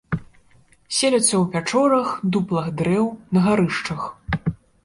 Селяцца ў пячорах, дуплах дрэў, на гарышчах.